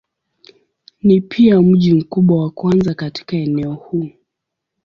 Ni pia mji mkubwa wa kwanza katika eneo huu.